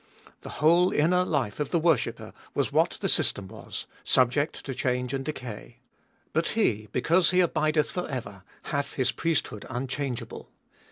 The whole inner life of the worshipper was what the system was, subject to change and decay. But He, because He abideth for ever, hath His priesthood unchangeable.